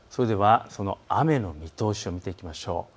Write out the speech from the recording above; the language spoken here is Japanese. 雨の見通しを見ていきましょう。